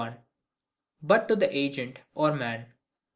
But to the Agent, or Man.